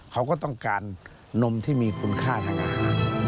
เขาก็ต้องการนมที่มีคุณค่าทางอาหาร